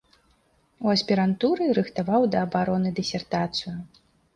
У аспірантуры рыхтаваў да абароны дысертацыю.